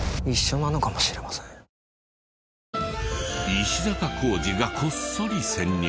石坂浩二がこっそり潜入。